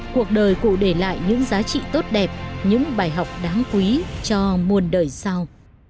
cuộc đời cụ để lại những giá trị tốt đẹp những bài học đáng quý cho muôn đời sau